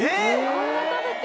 あんなに食べて？